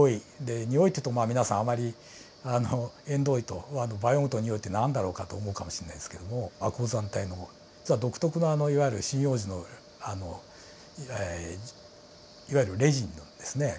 においっていうと皆さんあまり縁遠いとバイオームとにおいって何だろうかと思うかもしれないですけども亜高山帯のそこは独特ないわゆる針葉樹のいわゆるレジンのですね